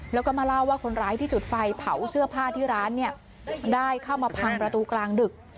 แล้วก็มาเล่าว่าคนร้ายที่จุดไฟเผาเสื้อผ้าที่ร้านเนี่ยได้เข้ามาพังประตูกลางดึก